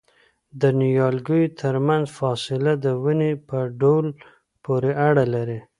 د نیالګیو ترمنځ فاصله د ونې په ډول پورې اړه لري؟